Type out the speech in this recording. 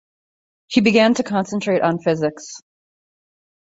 He began to concentrate on physics.